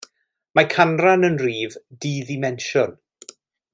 Mae canran yn rhif di ddimensiwn.